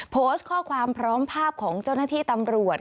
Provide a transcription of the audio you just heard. โพสต์ข้อความพร้อมภาพของเจ้าหน้าที่ตำรวจ